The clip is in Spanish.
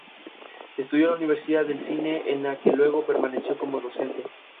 Estudió en la Universidad del Cine en la que luego permaneció como docente.